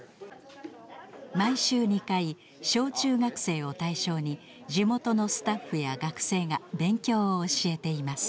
毎週２回小・中学生を対象に地元のスタッフや学生が勉強を教えています。